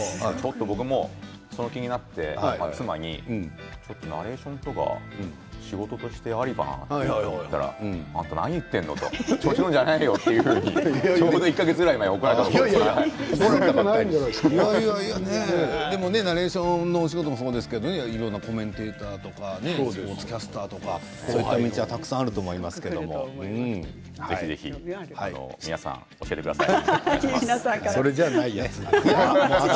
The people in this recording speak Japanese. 僕もその気になって妻にナレーションとか仕事としてありかな？と言ったらあんた何言ってるの調子乗るんじゃないよとちょうど１か月前ぐらいにナレーションのお仕事もそうですけどいろいろなコメンテーターとかスポーツキャスターとかそういう道はたくさんあるとぜひ皆さん教えてください。